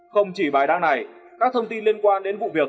không chỉ bài đăng này các thông tin liên quan đến vụ việc